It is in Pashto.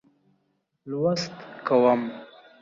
لوست کوم.